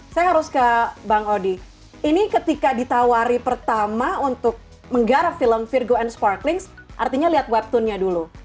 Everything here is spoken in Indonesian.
saya harus ke bang odi ini ketika ditawari pertama untuk menggarap film virgo and sparklings artinya lihat webtoonnya dulu